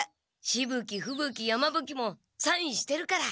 しぶ鬼ふぶ鬼山ぶ鬼もサインしてるから。